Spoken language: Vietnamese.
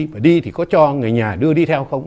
mà đi thì có cho người nhà đưa đi theo không